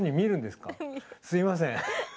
すいません。